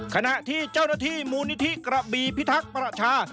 ขณะที่เจ้าหน้าที่มูลนิธิกระบีพิทักษ์ประชา